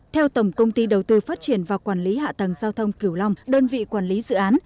theo tổng công ty đầu tư phát triển và quản lý hạ tầng giao thông kiểu long đơn vị quản lý dự án